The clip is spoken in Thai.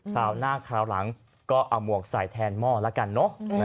คราวหน้าคราวหลังก็เอาหมวกใส่แทนหม้อแล้วกันเนอะ